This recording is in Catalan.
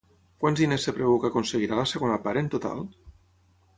Quants diners es preveu que aconseguirà la segona part en total?